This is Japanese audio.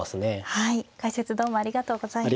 はい解説どうもありがとうございました。